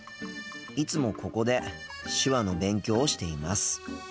いつもここで手話の勉強をしています。